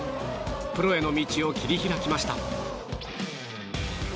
プロへの道を切り開きました。